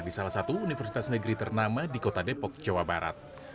di salah satu universitas negeri ternama di kota depok jawa barat